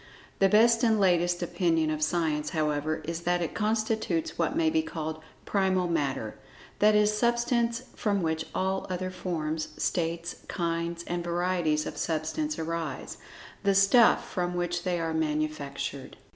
The best and latest opinion of Science, however, is that it constitutes what may be called "Primal Matter"—that is substance from which all other forms, states, kinds and varieties of Substance arise—the "stuff" from which they are manufactured.